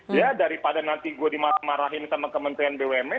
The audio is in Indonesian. ya daripada nanti gue dimarahin sama kementerian bumn